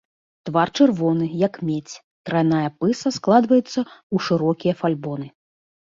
Твар чырвоны, як медзь, трайная пыса складваецца ў шырокія фальбоны.